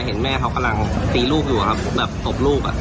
เห็นแม่เขากำลังตีลูกอยู่ครับแบบตบลูกอ่ะ